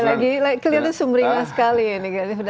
lagi kelihatan sumringah sekali ini